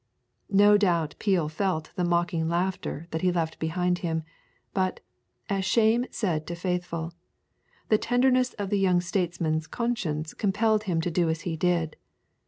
No doubt Peel felt the mocking laughter that he left behind him, but, as Shame said to Faithful, the tenderness of the young statesman's conscience compelled him to do as he did.